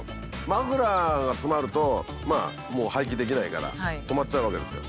マフラーが詰まるともう排気できないから止まっちゃうわけですよ。